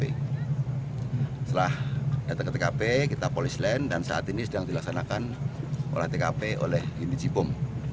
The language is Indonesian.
setelah datang ke tkp kita polis lain dan saat ini sedang dilaksanakan olah tkp oleh indici bom